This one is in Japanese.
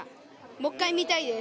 もう一回見たいです。